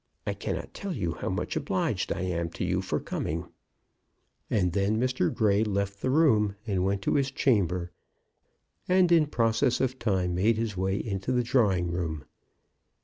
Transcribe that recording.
I cannot tell you how much obliged I am to you for coming." And then Mr. Grey left the room, went to his chamber, and in process of time made his way into the drawing room.